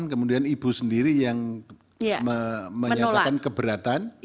kemudian ibu sendiri yang menyatakan keberatan